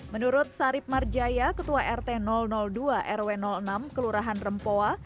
menurut sarip marjaya ketua rt dua rw enam kelurahan rempoa